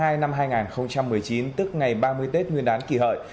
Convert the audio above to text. vào tối bốn tháng hai năm hai nghìn một mươi chín tức ngày ba mươi tết nguyên đán kỳ hợi